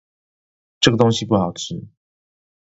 這個東西不好吃